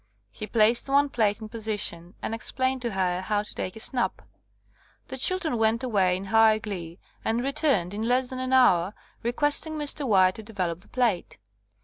He placed one plate in position, and explained to her how to take a *' snap. '' The children went away in high glee and re turned in less than an hour, requesting Mr. Wright to develop the plate.